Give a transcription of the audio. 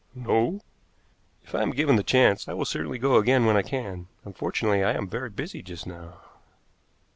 "No." "If I am given the chance, I will certainly go again when I can. Unfortunately, I am very busy just now."